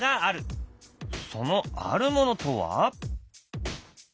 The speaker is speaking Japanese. そのあるものとは？